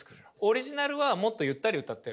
オリジナルはもっとゆったり歌ってる。